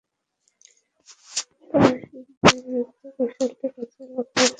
পারসিকদের বিরুদ্ধে কৌশলটি কাজে লাগল।